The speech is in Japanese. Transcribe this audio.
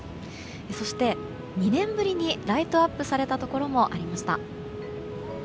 そして、２年ぶりにライトアップされたところもありました。